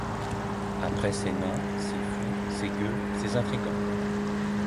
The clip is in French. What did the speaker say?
Après ces nains, ces fous, ces gueux, ces intrigants